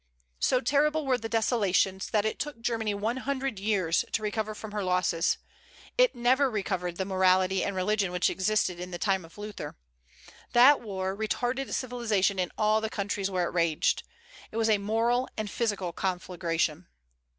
So terrible were the desolations, that it took Germany one hundred years to recover from her losses. It never recovered the morality and religion which existed in the time of Luther. That war retarded civilization in all the countries where it raged. It was a moral and physical conflagration.